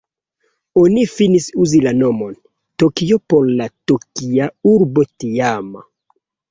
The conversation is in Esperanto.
Oni finis uzi la nomon "Tokio" por la Tokia Urbo tiama.